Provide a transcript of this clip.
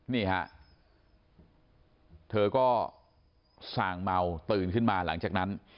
นี่ฮะเธอก็ส่างเมาตื่นขึ้นมาหลังจากนั้น